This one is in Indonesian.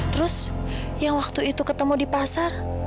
terus yang waktu itu ketemu di pasar